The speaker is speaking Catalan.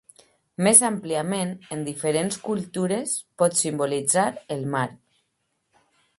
Més àmpliament, en diferents cultures pot simbolitzar el mar.